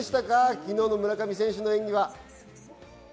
昨日の村上選手の演技は。